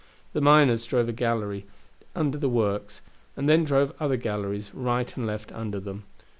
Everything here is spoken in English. The miners drove a gallery under the works, and then drove other galleries right and left under them.